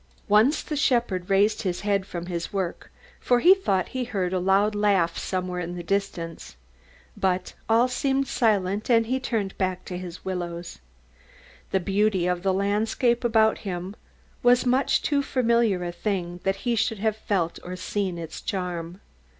Once the shepherd raised his head from his work, for he thought he heard a loud laugh somewhere in the near distance. But all seemed silent and he turned back to his willows. The beauty of the landscape about him was much too familiar a thing that he should have felt or seen its charm.